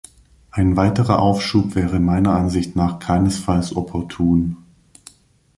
Ein weiterer Aufschub wäre meiner Ansicht nach keinesfalls opportun.